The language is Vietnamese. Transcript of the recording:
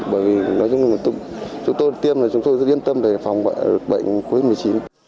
bởi vì chúng tôi tiêm là chúng tôi rất yên tâm để phòng bệnh covid một mươi chín